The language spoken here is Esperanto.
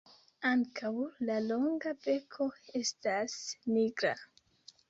Ankaŭ la longa beko estas nigra.